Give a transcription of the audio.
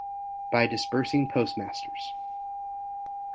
By Disbursing Postmasters.